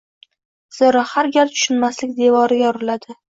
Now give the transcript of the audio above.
Zero, har gal tushunmaslik devoriga uriladi